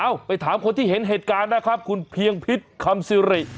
ไปถามคนที่เห็นเหตุการณ์นะครับคุณเพียงพิษคำสิริ